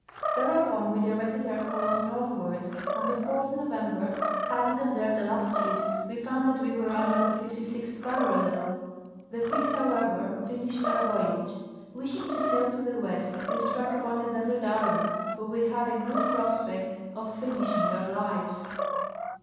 Thereupon we directed our course northwards, and the 4th November, having observed the latitude, we found that we were under the 56th parallel. The 5th, however, finished our voyage. Wishing to sail to the west, we struck upon a desert island, where we had a good pros pect of finishing our lives.